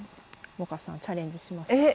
萌歌さんチャレンジします？